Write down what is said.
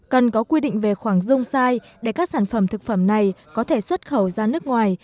cần có quy định về khoảng dung sai để các sản phẩm thực phẩm này có thể xuất khẩu ra nước ngoài